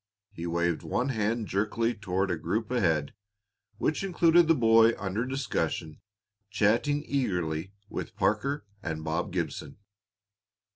He waved one hand jerkily toward a group ahead, which included the boy under discussion chatting eagerly with Parker and Bob Gibson.